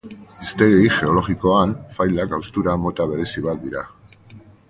Hiztegi geologikoan, failak haustura mota berezi bat dira.